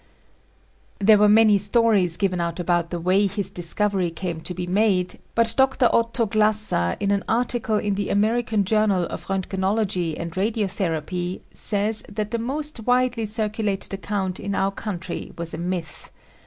There were many stories given out about the way his discovery came to be made but Dr. Otto Glasser* in an article in the American journal of Roentgenology and Radio Therapy says that the most widely cir culated account in our country was a myth.